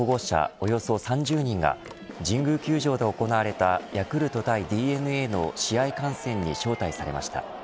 およそ３０人が神宮球場で行われたヤクルト対ＤｅＮＡの試合観戦に招待されました。